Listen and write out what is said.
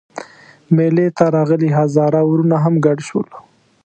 مېلې ته راغلي هزاره وروڼه هم ګډ شول.